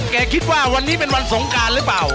คิดว่าวันนี้เป็นวันสงการหรือเปล่า